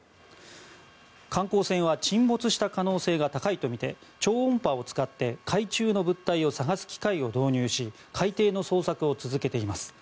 観光船は沈没した可能性が高いとみて超音波を使って海中の物体を捜す機械を導入し海底の捜索を続けています。